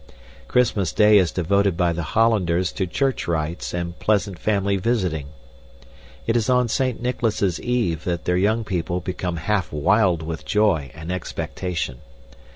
Christmas Day is devoted by the Hollanders to church rites and pleasant family visiting. It is on Saint Nicholas's Eve that their young people become half wild with joy and expectation.